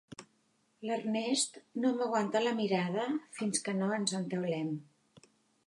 L'Ernest no m'aguanta la mirada fins que no ens entaulem.